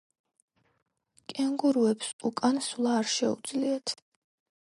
კენგურუებს უკან სვლა არ შეუძლიათ.